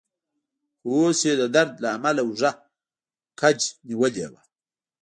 خو اوس يې د درد له امله اوږه کج نیولې وه.